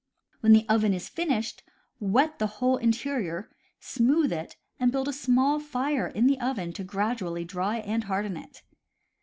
When the oven is finished, wet the whole interior, smooth it, and build a small fire in the oven to gradually dry and harden it.